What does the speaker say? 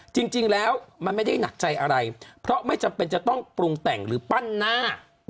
จริงแล้วมันไม่ได้หนักใจอะไรเพราะไม่จำเป็นจะต้องปรุงแต่งหรือปั้นหน้า